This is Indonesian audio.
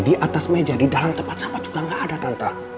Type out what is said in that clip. di atas meja di dalam tempat siapa juga gak ada tante